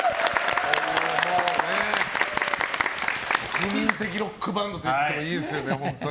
国民的ロックバンドといってもいいですね。